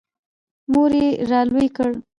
• مور یې را لوی کړ.